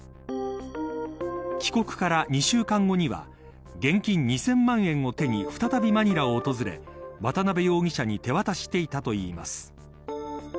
帰国から２週間後には現金２０００万円を手に再びマニラを訪れ渡辺容疑者に手渡していたといいます。